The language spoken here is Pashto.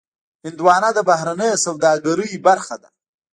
هندوانه د بهرنۍ سوداګرۍ برخه ده.